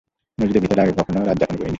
মসজিদের ভেতর এর আগে কখনো রাত্রি যাপন করি নি।